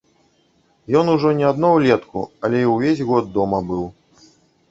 Ён ужо не адно ўлетку, але і ўвесь год дома быў.